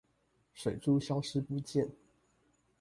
水珠消失不見